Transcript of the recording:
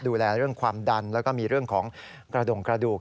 ดูแลเรื่องความดันแล้วก็มีเรื่องของกระดงกระดูก